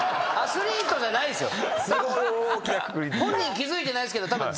本人気付いてないですけどたぶん。